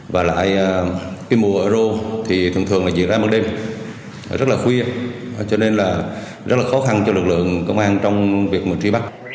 và lại khi mùa rô thì thường thường là dịp ra mặt đêm rất là khuya cho nên là rất là khó khăn cho lực lượng công an trong việc truy bắt